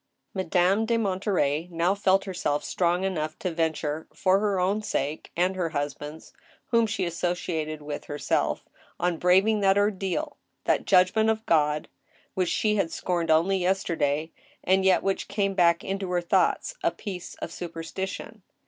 Madame de Monterey now felt herself strong enough to venture, for her own sake and her husband's, whom she associated with herself, on braving that ordeal, that judgment of God, which she had scorned only yesterday, and yet which came back into her thoughts — a piece of superstition.